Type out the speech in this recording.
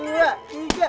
tuh dua tiga